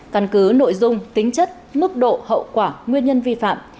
căn cứ nội dung tính chất mức độ hậu quả nguyên nhân vi phạm